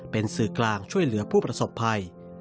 เป็นสื่อกลางช่วยเหลือผู้ประสบภัย